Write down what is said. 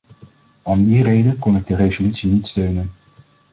Om die reden kon ik de resolutie niet steunen.